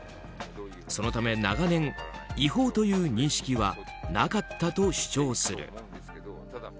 そのため、長年違法という認識はなかったと主張する。